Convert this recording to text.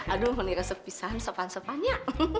aduh meniris pisahan sepan sepanya